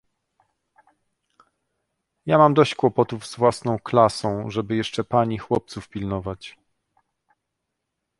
"Ja mam dosyć kłopotów z własną klasą, żeby jeszcze pani chłopców pilnować."